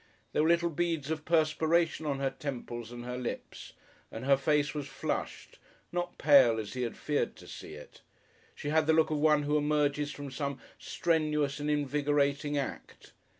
There were little beads of perspiration on her temples and her lips, and her face was flushed, not pale as he had feared to see it. She had the look of one who emerges from some strenuous and invigorating act.